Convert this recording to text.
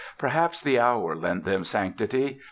Perhaps the hour lent them sanctity.